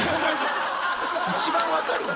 一番わかるわ